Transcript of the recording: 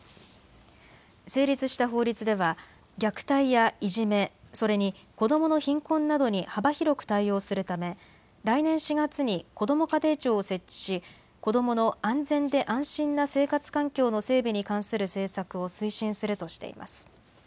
成立した法律では虐待やいじめ、それに子どもの貧困などに幅広く対応するため来年４月にこども家庭庁を設置し子どもの安全で安心な生活環境の整備に関する政策を推進するとしています。